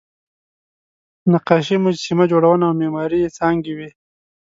نقاشي، مجسمه جوړونه او معماري یې څانګې وې.